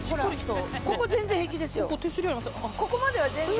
ここまでは全然。